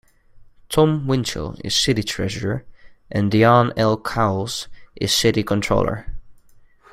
Tom Winchell is city treasurer and Diane L. Cowles is city controller.